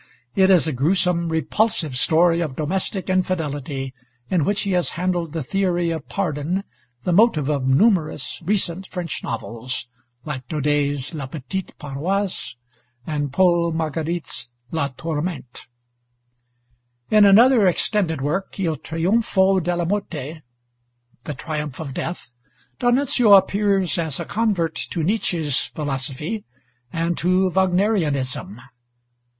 It is a gruesome, repulsive story of domestic infidelity, in which he has handled the theory of pardon, the motive of numerous recent French novels, like Daudet's 'La Petite Paroisse' and Paul Marguerite's 'La Tourmente.' In another extended work, 'Il Trionfo della Morte' (The Triumph of Death), D'Annunzio appears as a convert to Nietzsche's philosophy and to Wagnerianism.